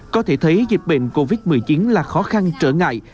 có thể thấy dịch bệnh covid một mươi chín là khó khăn trở ngại